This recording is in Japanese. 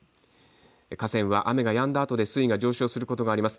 河川は雨がやんだあとで水位が上昇することがあります。